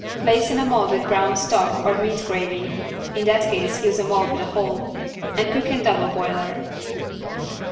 Place in a mold with brown stock or meat gravy (in that case use a mold with a hole) and cook in double boiler.